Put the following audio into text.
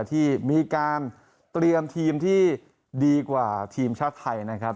ที่มีการเตรียมทีมที่ดีกว่าทีมชาติไทยนะครับ